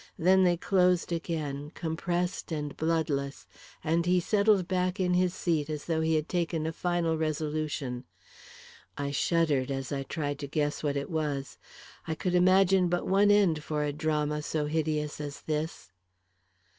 Then they closed again, compressed and bloodless, and he settled back in his seat as though he had taken a final resolution. I shuddered as I tried to guess what it was. I could imagine but one end for a drama so hideous as this.